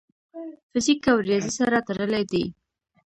فزیک او ریاضي سره تړلي دي.